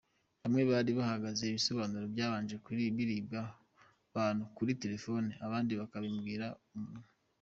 Bamwe bari barahaze ibisobanuro byanjye birirwa bantuka kuri telefone, abandi bakabimbwirisha umunwa.